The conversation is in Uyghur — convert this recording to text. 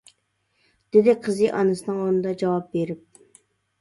دېدى قىزى ئانىسىنىڭ ئورنىدا جاۋاب بېرىپ.